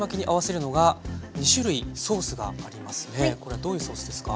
これはどういうソースですか？